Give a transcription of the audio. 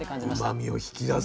うまみを引き出す。